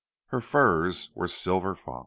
Her furs were silver fox."